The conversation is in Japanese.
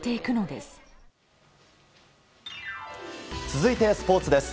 続いて、スポーツです。